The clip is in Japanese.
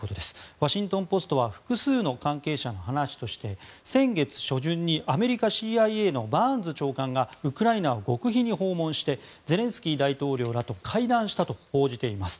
ワシントン・ポストは複数の関係者の話として先月初旬にアメリカＣＩＡのバーンズ長官がウクライナを極秘に訪問してゼレンスキー大統領らと会談したと報じています。